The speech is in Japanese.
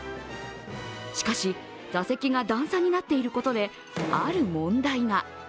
しかし、座席が段差になっていることで、ある問題が。